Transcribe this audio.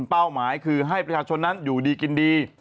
เป้าหมายคือให้ประชาชนนั้นอยู่ดีกินดี